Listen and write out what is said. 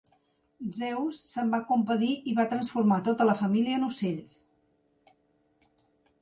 Zeus se'n va compadir i va transformar tota la família en ocells.